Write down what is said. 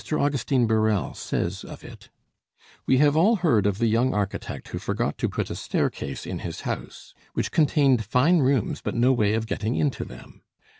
Augustine Birrell says of it: "We have all heard of the young architect who forgot to put a staircase in his house, which contained fine rooms but no way of getting into them.